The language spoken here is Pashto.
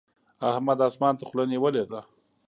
احمد اسمان ته خوله نيولې ده.